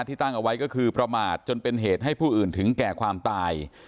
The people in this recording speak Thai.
ตั้งเอาไว้ก็คือประมาทจนเป็นเหตุให้ผู้อื่นถึงแก่ความตาย